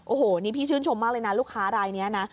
โอ้โหนี่พี่ชื่นชมมากเลยนะลูกค้ารายนี้นะ